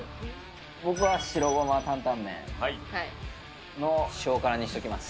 僕は白胡麻担々麺の小辛にしておきます。